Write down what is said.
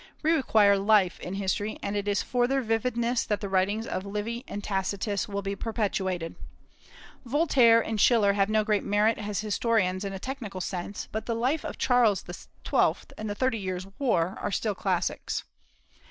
We require life in history, and it is for their vividness that the writings of Livy and Tacitus will be perpetuated. Voltaire and Schiller have no great merit as historians in a technical sense, but the "Life of Charles XII." and the "Thirty Years' War" are still classics.